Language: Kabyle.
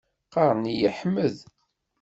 Qqaren-iyi Ḥmed.